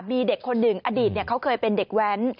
มีเด็กคนหนึ่งอดีตเขาเคยเป็นเด็กแว้น